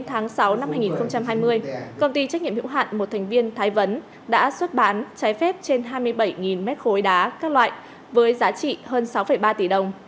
tính riêng từ tháng sáu năm hai nghìn hai mươi công ty trách nhiệm hữu hạn một thành viên thái vấn đã xuất bán trái phép trên hai mươi bảy mét khối đá các loại với giá trị hơn sáu ba tỷ đồng